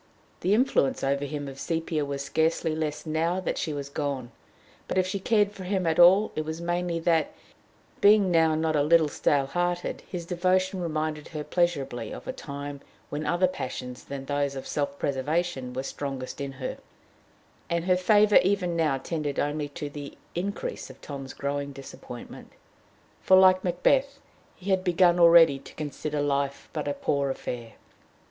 The influence over him of Sepia was scarcely less now that she was gone; but, if she cared for him at all, it was mainly that, being now not a little stale hearted, his devotion reminded her pleasurably of a time when other passions than those of self preservation were strongest in her; and her favor even now tended only to the increase of Tom's growing disappointment, for, like Macbeth, he had begun already to consider life but a poor affair.